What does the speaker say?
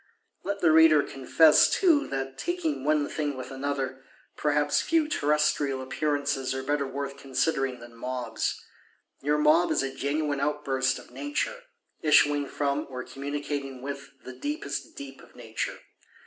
Let the Reader confess too that, taking one thing with another, perhaps few terrestrial Appearances are better worth considering than mobs. Your mob is a genuine outburst of Nature; issuing from, or communicating with, the deepest deep of Nature.